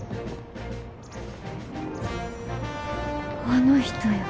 あの人や。